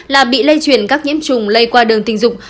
là bị lây truyền các nhiễm trùng lây qua đường tình dục